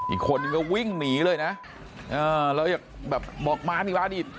อีกคนก็วิ่งหนีเลยนะแล้วอยากแบบบอกมานี่บ้างดิ